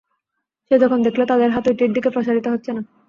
সে যখন দেখল, তাদের হাত ঐটির দিকে প্রসারিত হচ্ছে না।